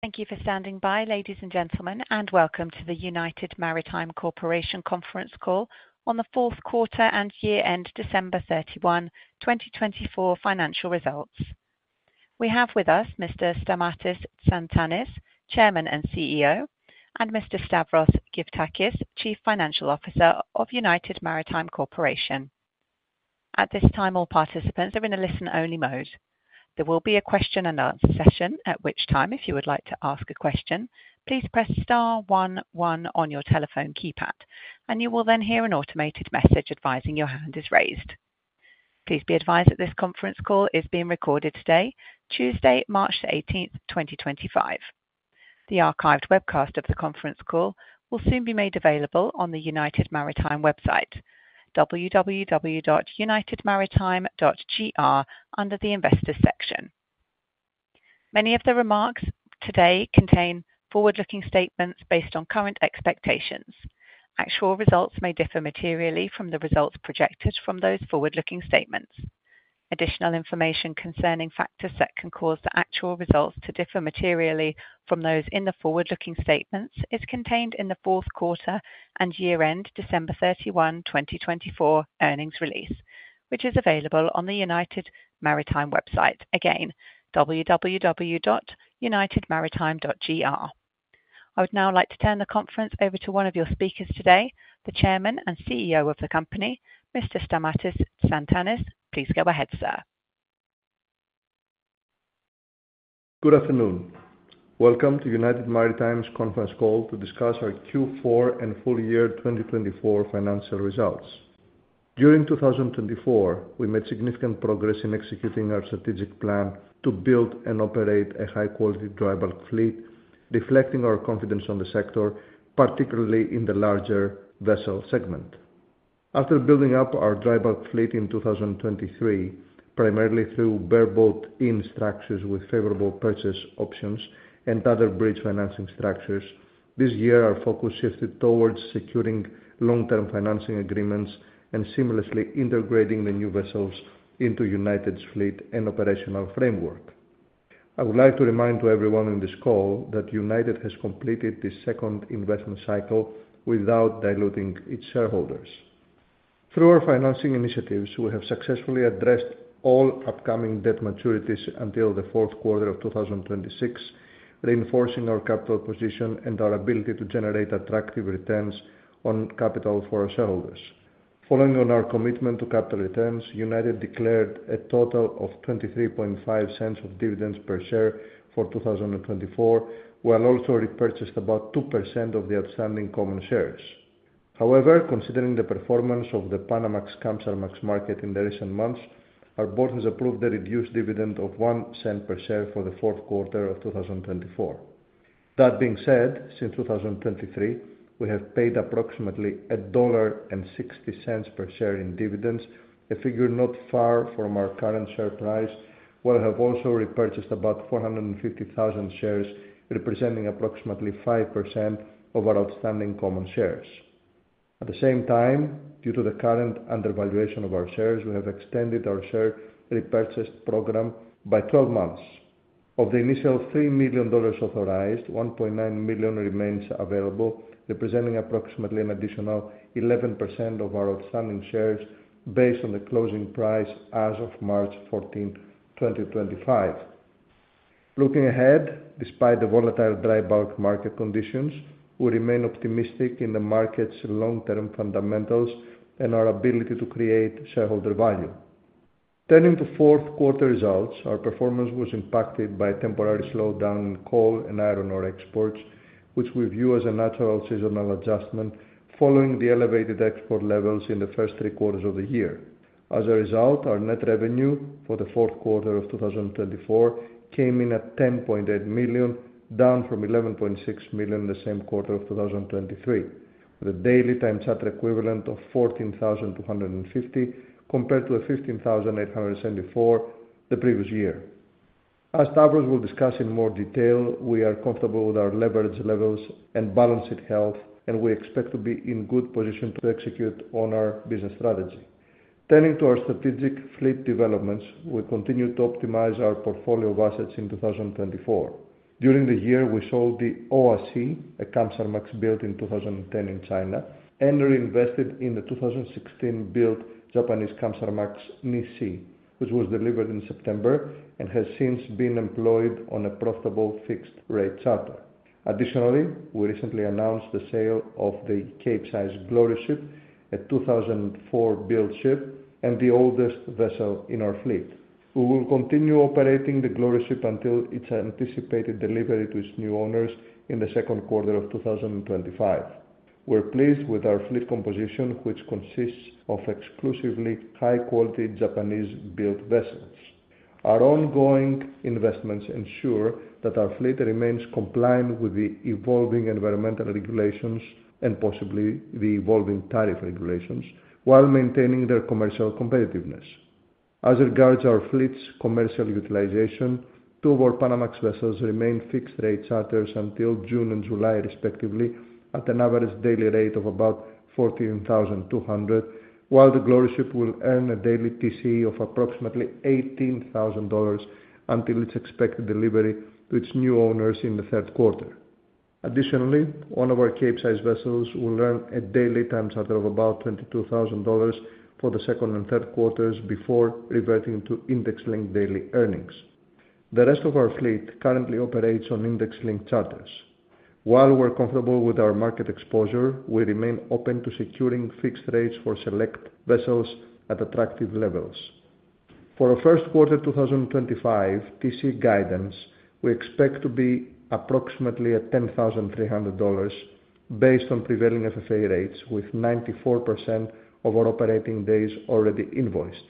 Thank you for standing by, ladies and gentlemen, and welcome to the United Maritime Corporation conference call on the fourth quarter and year-end December 31, 2024, financial results. We have with us Mr. Stamatis Tsantanis, Chairman and CEO, and Mr. Stavros Gyftakis, Chief Financial Officer of United Maritime Corporation. At this time, all participants are in a listen-only mode. There will be a question-and-answer session, at which time, if you would like to ask a question, please press star one one on your telephone keypad, and you will then hear an automated message advising your hand is raised. Please be advised that this conference call is being recorded today, Tuesday, March 18, 2025. The archived webcast of the conference call will soon be made available on the United Maritime website, www.unitedmaritime.gr, under the Investors section. Many of the remarks today contain forward-looking statements based on current expectations. Actual results may differ materially from the results projected from those forward-looking statements. Additional information concerning factors that can cause the actual results to differ materially from those in the forward-looking statements is contained in the fourth quarter and year-end December 31, 2024, earnings release, which is available on the United Maritime website, again, www.unitedmaritime.gr. I would now like to turn the conference over to one of your speakers today, the Chairman and CEO of the company, Mr. Stamatis Tsantanis. Please go ahead, sir. Good afternoon. Welcome to United Maritime's conference call to discuss our Q4 and full-year 2024 financial results. During 2024, we made significant progress in executing our strategic plan to build and operate a high-quality dry bulk fleet, reflecting our confidence in the sector, particularly in the larger vessel segment. After building up our dry bulk fleet in 2023, primarily through bareboat-in structures with favorable purchase options and other bridge financing structures, this year our focus shifted towards securing long-term financing agreements and seamlessly integrating the new vessels into United's fleet and operational framework. I would like to remind everyone on this call that United has completed the second investment cycle without diluting its shareholders. Through our financing initiatives, we have successfully addressed all upcoming debt maturities until the fourth quarter of 2026, reinforcing our capital position and our ability to generate attractive returns on capital for our shareholders. Following on our commitment to capital returns, United declared a total of $0.235 of dividends per share for 2024, while also repurchased about 2% of the outstanding common shares. However, considering the performance of the Panamax-Kamsarmax market in the recent months, our board has approved a reduced dividend of $0.01 per share for the fourth quarter of 2024. That being said, since 2023, we have paid approximately $1.60 per share in dividends, a figure not far from our current share price, while we have also repurchased about 450,000 shares, representing approximately 5% of our outstanding common shares. At the same time, due to the current undervaluation of our shares, we have extended our share repurchase program by 12 months. Of the initial $3 million authorized, $1.9 million remains available, representing approximately an additional 11% of our outstanding shares based on the closing price as of March 14th, 2025. Looking ahead, despite the volatile dry bulk market conditions, we remain optimistic in the market's long-term fundamentals and our ability to create shareholder value. Turning to fourth quarter results, our performance was impacted by a temporary slowdown in coal and iron ore exports, which we view as a natural seasonal adjustment following the elevated export levels in the first three quarters of the year. As a result, our net revenue for the fourth quarter of 2024 came in at $10.8 million, down from $11.6 million the same quarter of 2023, with a daily time charter equivalent of $14,250 compared to $15,874 the previous year. As Stavros will discuss in more detail, we are comfortable with our leverage levels and balance sheet health, and we expect to be in good position to execute on our business strategy. Turning to our strategic fleet developments, we continue to optimize our portfolio of assets in 2024. During the year, we sold the OAC, a Kamsarmax built in 2010 in China, and reinvested in the 2016-built Japanese Kamsarmax Nisea, which was delivered in September and has since been employed on a profitable fixed-rate charter. Additionally, we recently announced the sale of the Capesize Gloriuship, a 2004-built ship and the oldest vessel in our fleet. We will continue operating the Gloriuship until its anticipated delivery to its new owners in the second quarter of 2025. We're pleased with our fleet composition, which consists of exclusively high-quality Japanese-built vessels. Our ongoing investments ensure that our fleet remains compliant with the evolving environmental regulations and possibly the evolving tariff regulations, while maintaining their commercial competitiveness. As regards our fleet's commercial utilization, two of our Panamax vessels remain fixed-rate charters until June and July, respectively, at an average daily rate of about $14,200, while the Gloriuship will earn a daily TCE of approximately $18,000 until its expected delivery to its new owners in the third quarter. Additionally, one of our Capesize vessels will earn a daily time charter of about $22,000 for the second and third quarters before reverting to index-linked daily earnings. The rest of our fleet currently operates on index-linked charters. While we're comfortable with our market exposure, we remain open to securing fixed rates for select vessels at attractive levels. For our first quarter 2025 TCE guidance, we expect to be approximately $10,300 based on prevailing FFA rates, with 94% of our operating days already invoiced.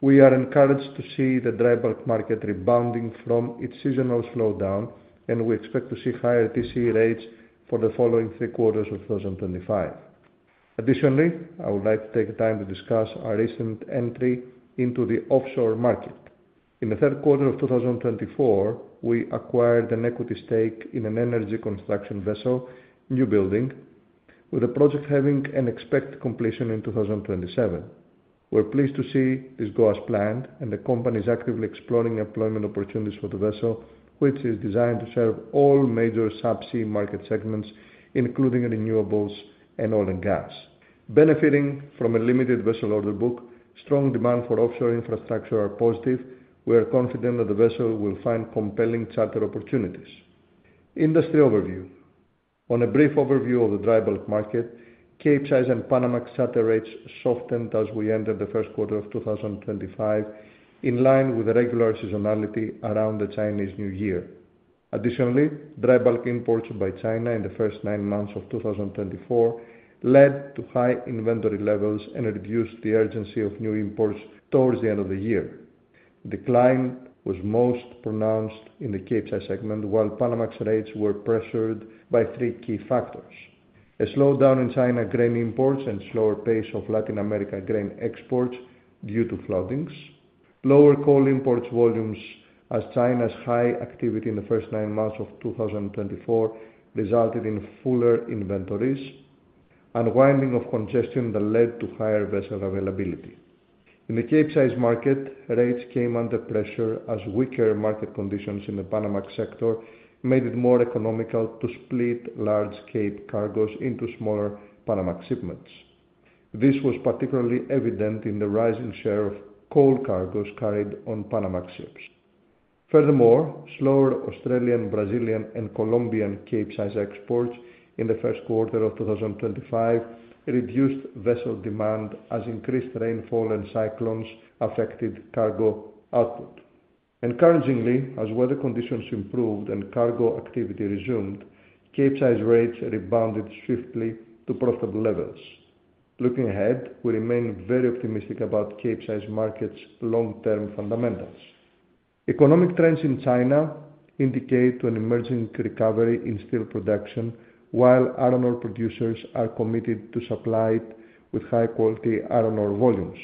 We are encouraged to see the dry bulk market rebounding from its seasonal slowdown, and we expect to see higher TCE rates for the following three quarters of 2025. Additionally, I would like to take time to discuss our recent entry into the offshore market. In the third quarter of 2024, we acquired an equity stake in an energy construction vessel, newbuilding, with the project having an expected completion in 2027. We are pleased to see this go as planned, and the company is actively exploring employment opportunities for the vessel, which is designed to serve all major subsea market segments, including renewables and oil and gas. Benefiting from a limited vessel order book, strong demand for offshore infrastructure is positive. We are confident that the vessel will find compelling charter opportunities. Industry overview. On a brief overview of the dry bulk market, Capesize and Panamax charter rates softened as we entered the first quarter of 2025, in line with the regular seasonality around the Chinese New Year. Additionally, dry bulk imports by China in the first nine months of 2024 led to high inventory levels and reduced the urgency of new imports towards the end of the year. The decline was most pronounced in the Capesize segment, while Panamax rates were pressured by three key factors: a slowdown in China grain imports and slower pace of Latin America grain exports due to floodings, lower coal import volumes as China's high activity in the first nine months of 2024 resulted in fuller inventories, and widening of congestion that led to higher vessel availability. In the Capesize market, rates came under pressure as weaker market conditions in the Panamax sector made it more economical to split large Capesize cargoes into smaller Panamax shipments. This was particularly evident in the rising share of coal cargoes carried on Panamax ships. Furthermore, slower Australian, Brazilian, and Colombian Capesize exports in the first quarter of 2025 reduced vessel demand as increased rainfall and cyclones affected cargo output. Encouragingly, as weather conditions improved and cargo activity resumed, Capesize rates rebounded swiftly to profitable levels. Looking ahead, we remain very optimistic about Capesize markets' long-term fundamentals. Economic trends in China indicate an emerging recovery in steel production, while iron ore producers are committed to supply with high-quality iron ore volumes.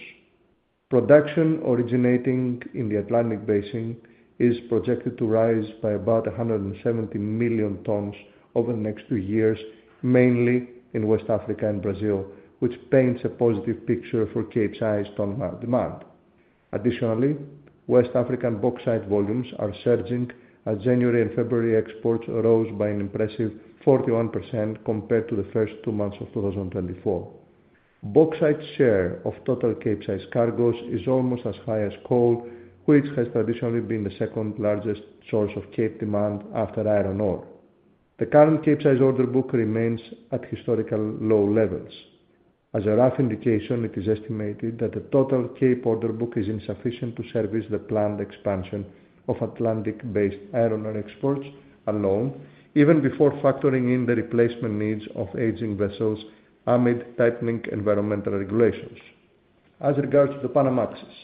Production originating in the Atlantic basin is projected to rise by about 170 million tons over the next two years, mainly in West Africa and Brazil, which paints a positive picture for Capesize on-market demand. Additionally, West African bauxite volumes are surging as January and February exports rose by an impressive 41% compared to the first two months of 2024. Bauxite's share of total Capesize cargoes is almost as high as coal, which has traditionally been the second largest source of Cape demand after iron ore. The current Capesize order book remains at historical low levels. As a rough indication, it is estimated that the total Cape order book is insufficient to service the planned expansion of Atlantic-based iron ore exports alone, even before factoring in the replacement needs of aging vessels amid tightening environmental regulations. As regards to the Panamaxes,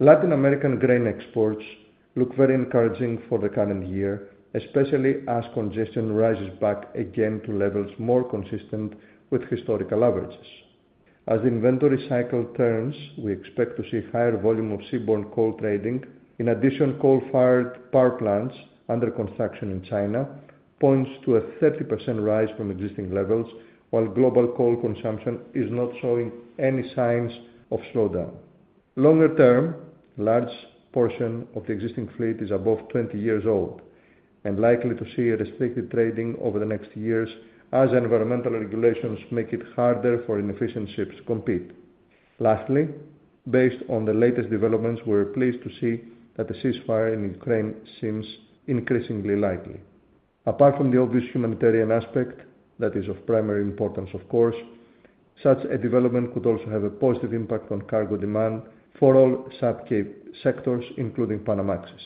Latin American grain exports look very encouraging for the current year, especially as congestion rises back again to levels more consistent with historical averages. As the inventory cycle turns, we expect to see higher volume of seaborne coal trading. In addition, coal-fired power plants under construction in China points to a 30% rise from existing levels, while global coal consumption is not showing any signs of slowdown. Longer term, a large portion of the existing fleet is above 20 years old and likely to see restricted trading over the next years as environmental regulations make it harder for inefficient ships to compete. Lastly, based on the latest developments, we're pleased to see that the ceasefire in Ukraine seems increasingly likely. Apart from the obvious humanitarian aspect, that is of primary importance, of course, such a development could also have a positive impact on cargo demand for all sub-Cape sectors, including Panamaxes.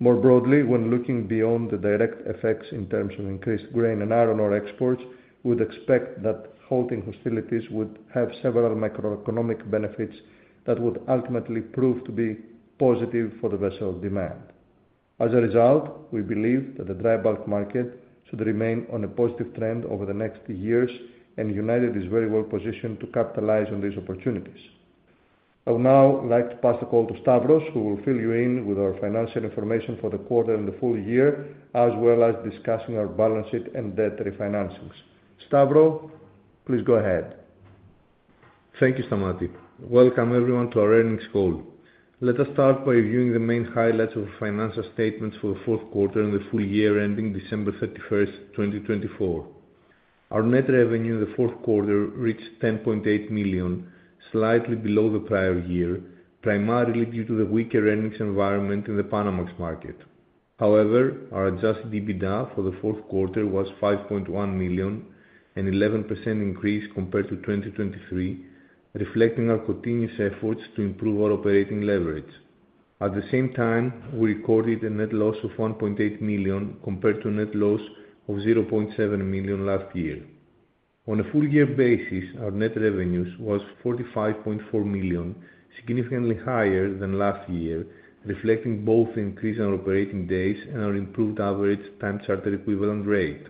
More broadly, when looking beyond the direct effects in terms of increased grain and iron ore exports, we would expect that halting hostilities would have several macroeconomic benefits that would ultimately prove to be positive for the vessel demand. As a result, we believe that the dry bulk market should remain on a positive trend over the next years, and United is very well positioned to capitalize on these opportunities. I would now like to pass the call to Stavros, who will fill you in with our financial information for the quarter and the full year, as well as discussing our balance sheet and debt refinancings. Stavros, please go ahead. Thank you, Stamatis. Welcome everyone to our earnings call. Let us start by reviewing the main highlights of our financial statements for the fourth quarter and the full year ending December 31st, 2024. Our net revenue in the fourth quarter reached $10.8 million, slightly below the prior year, primarily due to the weaker earnings environment in the Panamax market. However, our adjusted EBITDA for the fourth quarter was $5.1 million, an 11% increase compared to 2023, reflecting our continuous efforts to improve our operating leverage. At the same time, we recorded a net loss of $1.8 million compared to a net loss of $0.7 million last year. On a full-year basis, our net revenues were $45.4 million, significantly higher than last year, reflecting both the increase in our operating days and our improved average time-charter equivalent rate.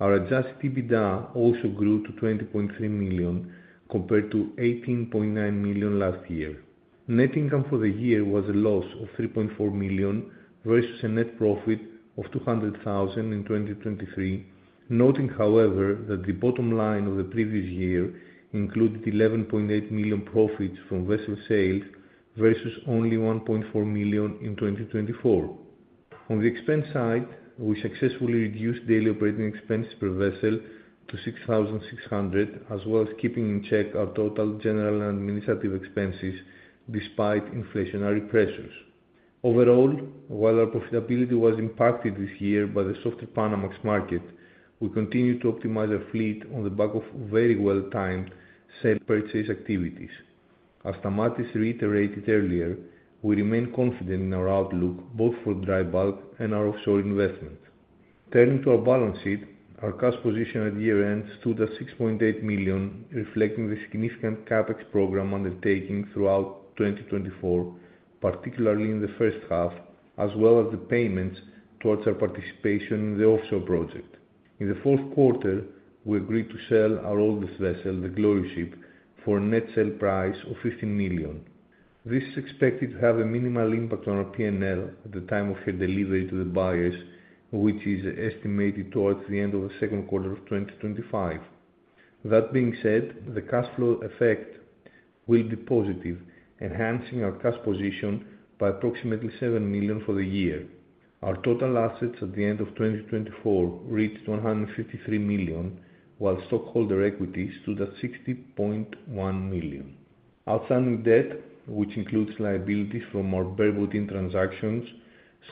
Our adjusted EBITDA also grew to $20.3 million compared to $18.9 million last year. Net income for the year was a loss of $3.4 million versus a net profit of $200,000 in 2023, noting, however, that the bottom line of the previous year included $11.8 million profits from vessel sales versus only $1.4 million in 2024. On the expense side, we successfully reduced daily operating expenses per vessel to $6,600, as well as keeping in check our total general and administrative expenses despite inflationary pressures. Overall, while our profitability was impacted this year by the softer Panamax market, we continue to optimize our fleet on the back of very well-timed sale-purchase activities. As Stamatis reiterated earlier, we remain confident in our outlook both for dry bulk and our offshore investment. Turning to our balance sheet, our cost position at year-end stood at $6.8 million, reflecting the significant CapEx program undertaking throughout 2024, particularly in the first half, as well as the payments towards our participation in the offshore project. In the fourth quarter, we agreed to sell our oldest vessel, the Gloriuship, for a net sale price of $15 million. This is expected to have a minimal impact on our P&L at the time of her delivery to the buyers, which is estimated towards the end of the second quarter of 2025. That being said, the cash flow effect will be positive, enhancing our cost position by approximately $7 million for the year. Our total assets at the end of 2024 reached $153 million, while stockholder equity stood at $60.1 million. Outstanding debt, which includes liabilities from our very routine transactions,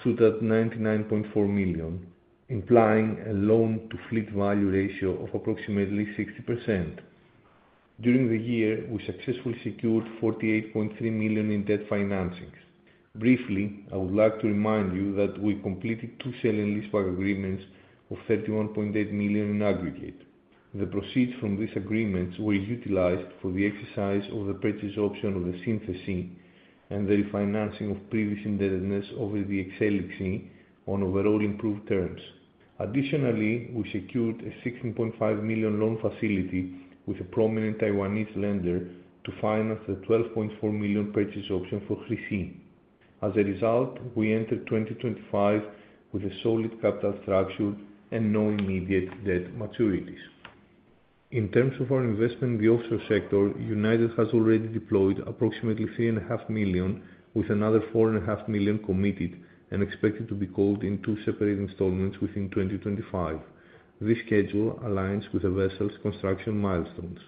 stood at $99.4 million, implying a loan-to-fleet value ratio of approximately 60%. During the year, we successfully secured $48.3 million in debt financing. Briefly, I would like to remind you that we completed two sale and lease agreements of $31.8 million in aggregate. The proceeds from these agreements were utilized for the exercise of the purchase option of the Synthesea and the refinancing of previous indebtedness over the Exelixsea on overall improved terms. Additionally, we secured a $16.5 million loan facility with a prominent Taiwanese lender to finance the $12.4 million purchase option for Chrisea. As a result, we entered 2025 with a solid capital structure and no immediate debt maturities. In terms of our investment in the offshore sector, United has already deployed approximately $3.5 million, with another $4.5 million committed and expected to be called in two separate installments within 2025. This schedule aligns with the vessel's construction milestones.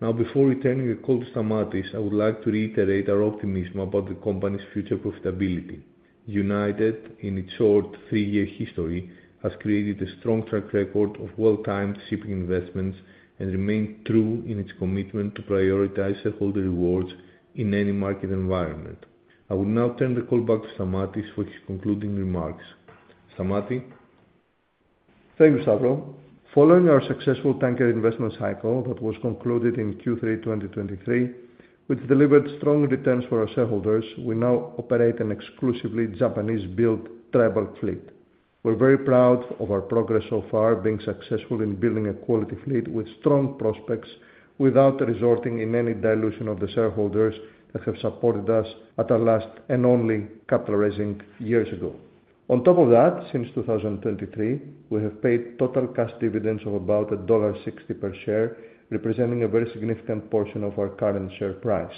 Now, before returning the call to Stamatis, I would like to reiterate our optimism about the company's future profitability. United, in its short three-year history, has created a strong track record of well-timed shipping investments and remained true in its commitment to prioritize shareholder rewards in any market environment. I will now turn the call back to Stamatis for his concluding remarks. Stamatis? Thank you, Stavros. Following our successful tanker investment cycle that was concluded in Q3 2023, which delivered strong returns for our shareholders, we now operate an exclusively Japanese-built tribal fleet. We're very proud of our progress so far, being successful in building a quality fleet with strong prospects without resorting to any dilution of the shareholders that have supported us at our last and only capital raising years ago. On top of that, since 2023, we have paid total cash dividends of about $1.60 per share, representing a very significant portion of our current share price.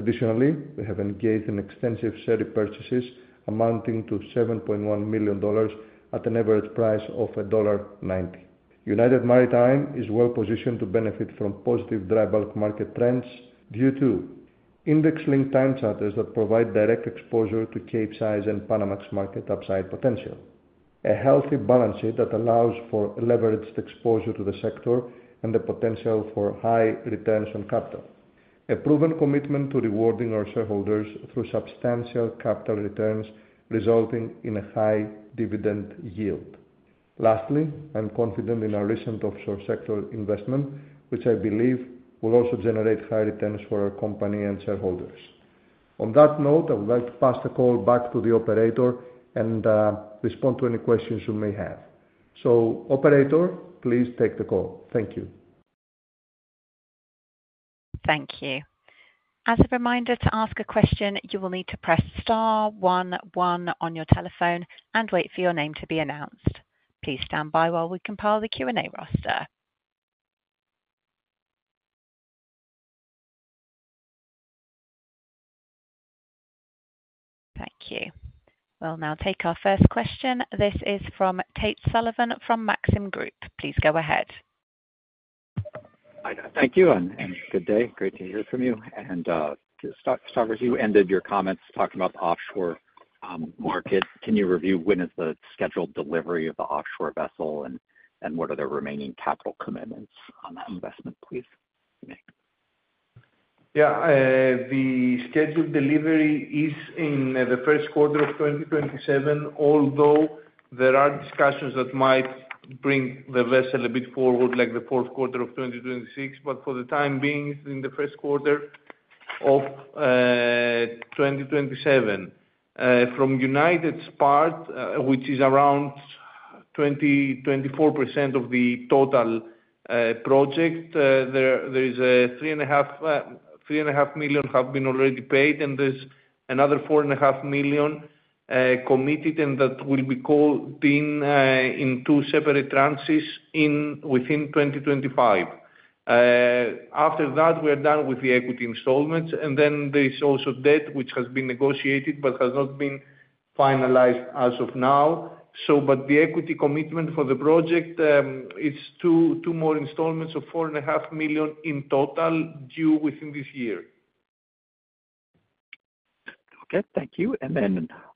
Additionally, we have engaged in extensive share repurchases amounting to $7.1 million at an average price of $1.90. United Maritime is well-positioned to benefit from positive dry bulk market trends due to index-linked time charters that provide direct exposure to Capesize and Panamax market upside potential, a healthy balance sheet that allows for leveraged exposure to the sector and the potential for high returns on capital, a proven commitment to rewarding our shareholders through substantial capital returns resulting in a high-dividend yield. Lastly, I'm confident in our recent offshore sector investment, which I believe will also generate high returns for our company and shareholders. On that note, I would like to pass the call back to the operator and respond to any questions you may have. Operator, please take the call. Thank you. Thank you. As a reminder, to ask a question, you will need to press star one one on your telephone and wait for your name to be announced. Please stand by while we compile the Q&A roster. Thank you. We'll now take our first question. This is from Tate Sullivan from Maxim Group. Please go ahead. Thank you, and good day. Great to hear from you. To start with, you ended your comments talking about the offshore market. Can you review when is the scheduled delivery of the offshore vessel and what are the remaining capital commitments on that investment, please? Yeah, the scheduled delivery is in the first quarter of 2027, although there are discussions that might bring the vessel a bit forward, like the fourth quarter of 2026. For the time being, it is in the first quarter of 2027. From United's part, which is around 24% of the total project, there is $3.5 million that have been already paid, and there is another $4.5 million committed, and that will be called in two separate tranches within 2025. After that, we are done with the equity installments, and then there is also debt, which has been negotiated but has not been finalized as of now. The equity commitment for the project is two more installments of $4.5 million in total due within this year. Thank you.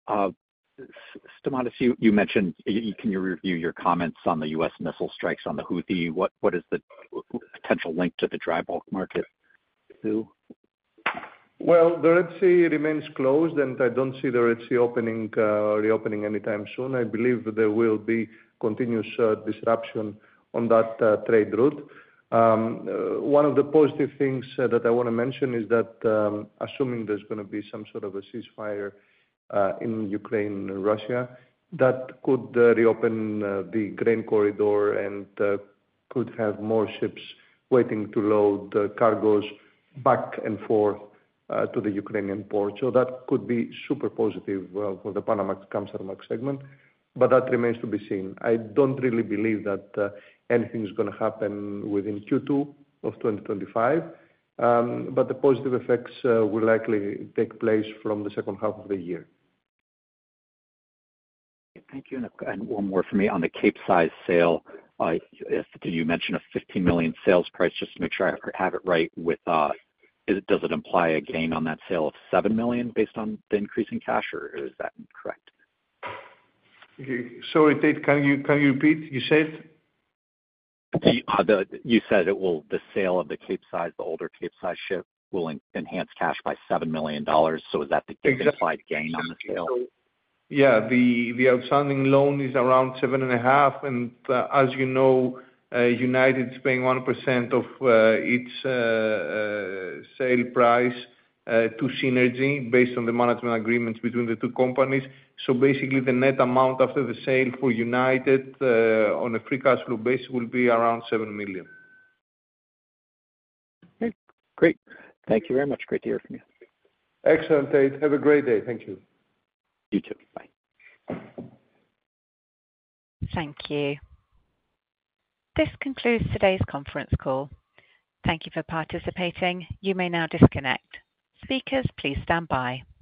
Stamatis, you mentioned, can you review your comments on the U.S. missile strikes on the Houthi? What is the potential link to the dry bulk market? The Red Sea remains closed, and I do not see the Red Sea opening or reopening anytime soon. I believe there will be continuous disruption on that trade route. One of the positive things that I want to mention is that, assuming there is going to be some sort of a ceasefire in Ukraine and Russia, that could reopen the grain corridor and could have more ships waiting to load the cargoes back and forth to the Ukrainian port. That could be super positive for the Panamax-Kamsarmax market segment, but that remains to be seen. I don't really believe that anything's going to happen within Q2 of 2025, but the positive effects will likely take place from the second half of the year. Thank you. And one more for me on the Capesize sale. Did you mention a $15 million sales price? Just to make sure I have it right, does it imply a gain on that sale of $7 million based on the increase in cash, or is that incorrect? Sorry, Tate, can you repeat what you said? You said the sale of the Capesize, the older Capesize ship will enhance cash by $7 million. Is that the implied gain on the sale? Yeah, the outstanding loan is around $7.5 million, and, as you know, United is paying 1% of its sale price to Seanergy based on the management agreements between the two companies. Basically, the net amount after the sale for United, on a free cash flow basis, will be around $7 million. Okay, great. Thank you very much. Great to hear from you. Excellent, Tate. Have a great day. Thank you. You too. Bye. Thank you. This concludes today's conference call. Thank you for participating. You may now disconnect. Speakers, please stand by.